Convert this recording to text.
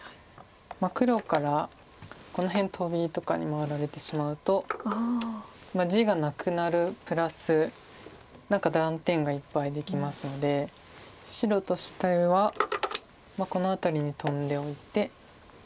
黒からこの辺トビとかに回られてしまうと地がなくなるプラス何か断点がいっぱいできますので白としてはこの辺りにトンでおいて。